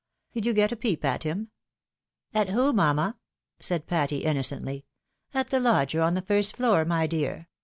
Did you get a peep at him ?"" At who, mamma ?" said Patty, innocently. " At the lodger on the first floor, my dear.